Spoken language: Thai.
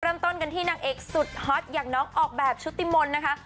เริ่มต้นกันที่นางเอกสุดฮอตอย่างน้องออกแบบชุติมนต์นะคะ